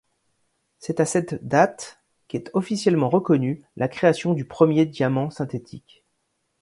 C'est à cette date qu'est officiellement reconnue la création du premier diamant synthétique.